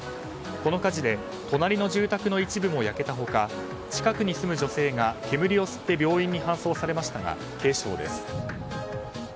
この火事で隣の住宅の一部も燃えた他近くに住む女性が煙を吸って病院に搬送されましたが軽症です。